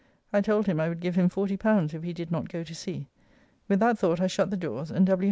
I told him I would give him L40 if he did not go to sea. With that thought I shut the doors, and W.